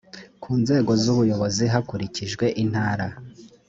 ku nzego z ubuyobozi hakurikijwe intara